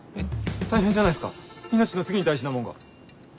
大変じゃないっすか命の次に大事なもんが。